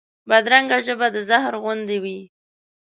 بدرنګه ژبه د زهر غوندې وي